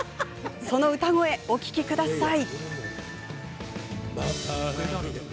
その歌声をお聴きください。